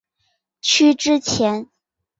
区之前。